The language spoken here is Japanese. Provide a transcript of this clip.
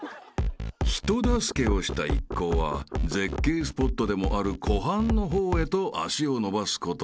［人助けをした一行は絶景スポットでもある湖畔の方へと足を延ばすことに］